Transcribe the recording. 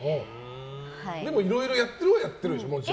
でも、いろいろやってるはやってるでしょ、もちろん。